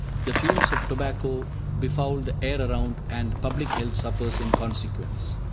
The fumes of tobacco befoul the air around, and public health suffers in consequence.